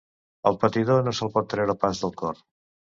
El patidor no se'l pot treure pas del cor.